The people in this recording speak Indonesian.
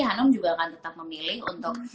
hanum juga akan tetap memilih untuk